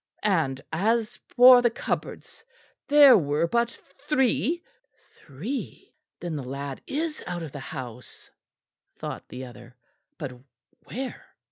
And as for the cupboards, there were but three " Three! then the lad is out of the house, thought the other. But where?